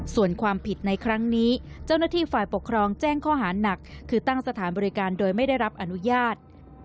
ส่วนความผิดในครั้งนี้เจ้าหน้าที่ฝ่ายปกครองแจ้งข้อหาหนักคือตั้งสถานบริการโดยไม่ได้รับอนุญาต